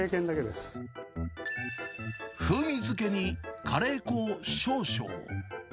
風味づけにカレー粉を少々。